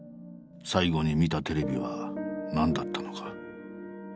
最後に見たテレビは何だったのか。